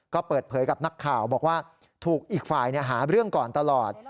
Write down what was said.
ก็เปิดเผยกับนักข่าวบอกว่าถูกอีกฝ่ายหาเรื่องก่อนตลอด